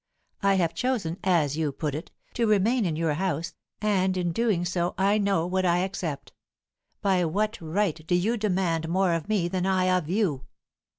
I have chosen, as you put it, to remain in your house, and in doing so I know what I accept. By what right do you demand more of me than I of you?"